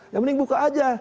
ya mending buka aja